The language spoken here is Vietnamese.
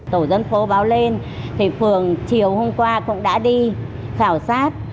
tổ dân phố báo lên thì phường chiều hôm qua cũng đã đi khảo sát